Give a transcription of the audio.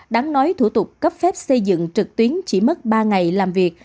đáng nói thủ tục cấp phép xây dựng trực tuyến chỉ mất ba ngày làm việc